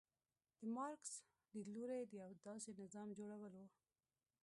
د مارکس لیدلوری د یو داسې نظام جوړول و.